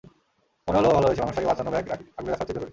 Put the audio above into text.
মনে হলো, ভালো হয়েছে, মানুষটাকে বাঁচানো ব্যাগ আগলে রাখার চেয়ে জরুরি।